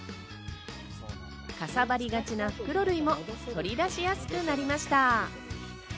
かさ張りがちな袋類も取り出しやすくなりました。